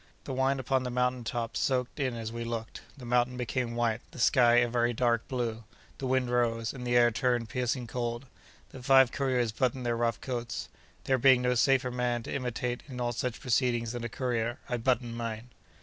The wine upon the mountain top soaked in as we looked; the mountain became white; the sky, a very dark blue; the wind rose; and the air turned piercing cold. The five couriers buttoned their rough coats. There being no safer man to imitate in all such proceedings than a courier, I buttoned mine.